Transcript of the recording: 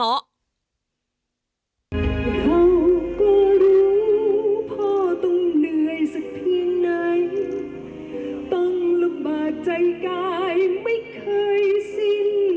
เขาก็รู้พ่อต้องเหนื่อยสักเพียงไหนต้องลำบากใจกายไม่เคยสิ้น